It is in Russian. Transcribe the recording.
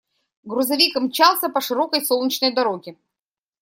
Грузовик мчался по широкой солнечной дороге.